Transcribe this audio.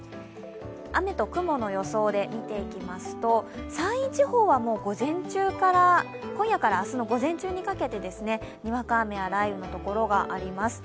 雨と雲の予想で見ていきますと、山陰地方は今夜から明日の午前中にかけてにわか雨や雷雨の所があります。